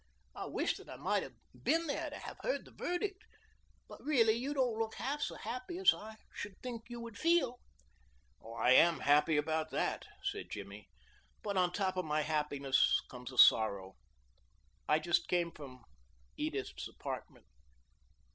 I wish that I might have been there to have heard the verdict, but really you don't look half as happy as I should think you would feel." "I am happy about that," said Jimmy, "but on top of my happiness came a sorrow. I just came from Edith's apartment.